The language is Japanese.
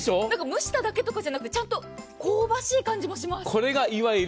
蒸しただけとかじゃなくてちゃんと香ばしい感じもします。